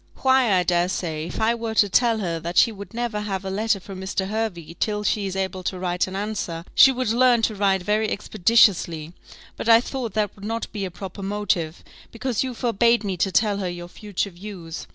"Why, I dare say, if I were to tell her that she would never have a letter from Mr. Hervey till she is able to write an answer, she would learn to write very expeditiously; but I thought that would not be a proper motive, because you forbade me to tell her your future views.